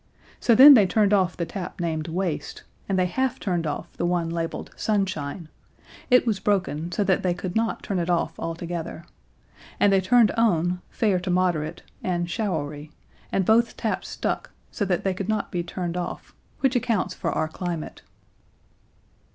So then they turned off the tap named "Waste," and they half turned off the one labeled "Sunshine" it was broken, so that they could not turn it off altogether and they turned on "Fair to moderate" and "Showery" and both taps stuck, so that they could not be turned off, which accounts for our climate.